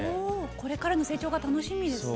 これからの成長が楽しみですね。